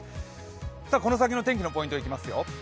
この先の天気のポイントいきますよ。